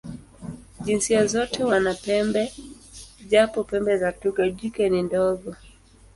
Jinsia zote wana pembe, japo pembe za twiga jike ni ndogo.